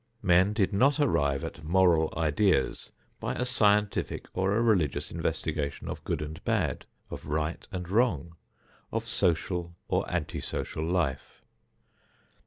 Men did not arrive at moral ideas by a scientific or a religious investigation of good and bad, of right and wrong, of social or anti social life.